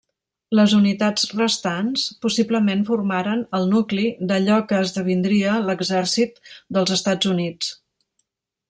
Les unitats restants possiblement formaren el nucli d'allò que esdevindria l'Exèrcit dels Estats Units.